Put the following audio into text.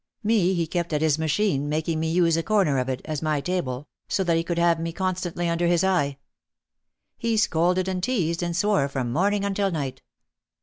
Me he kept at his machine, making me use a corner of it, as my table, so that he could have me constantly under his eye. He scolded and teased and swore from morning until night.